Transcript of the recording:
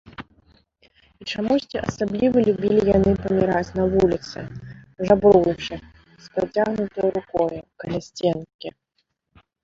І чамусьці асабліва любілі яны паміраць на вуліцы, жабруючы, з працягнутаю рукою, каля сценкі.